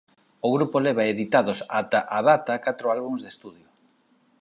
O grupo leva editados ata a data catro álbums de estudio.